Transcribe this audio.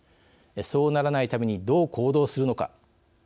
そうならないためにどう行動するのか。